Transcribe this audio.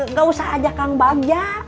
nggak usah aja kang bakja